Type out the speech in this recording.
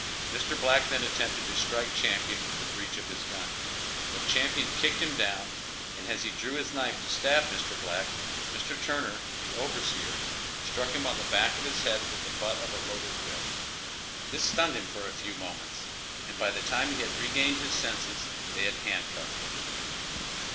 Mr. Black then attempted to strike Champion with the breech of his gun, but Champion kicked him down, and as he drew his knife to stab Mr. Black, Mr. Turner, the overseer, struck him on the back of his head with the butt of a loaded whip. This stunned him for a few moments, and by the time he had regained his senses they had handcuffed him.